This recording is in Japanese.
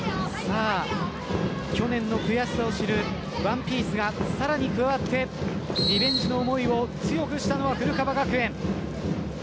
去年の悔しさを知る１ピースがさらに変わってリベンジの思いを強くしたのは古川学園。